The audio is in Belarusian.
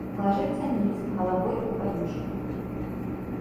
Лажыцца ніц, галавой у падушку.